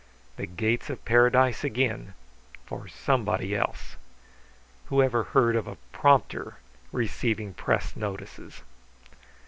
The gates of paradise again for somebody else! Whoever heard of a prompter receiving press notices?